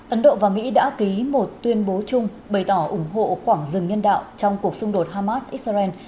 ấn độ và mỹ đã ký một tuyên bố chung bày tỏ ủng hộ khoảng dừng nhân đạo trong cuộc xung đột hamas israel